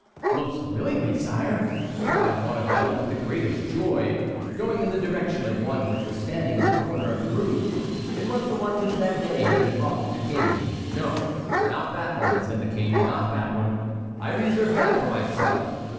"Most willingly, sire!" cried Maurevel, with the greatest joy, going in the direction of one which was standing in a corner of the room. It was the one which that day had been brought to the King. "No, not that one," said the King, "not that one; I reserve that for myself.